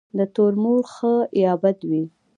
د تومور ښه یا بد وي.